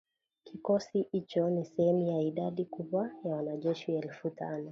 Kikosi hicho ni sehemu ya idadi kubwa ya wanajeshi elfu tano